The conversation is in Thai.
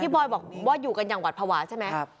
บอยบอกว่าอยู่กันอย่างหวัดภาวะใช่ไหม